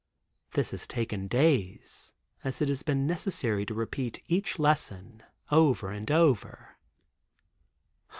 This has taken days, as it has been necessary to repeat each lesson, over and over.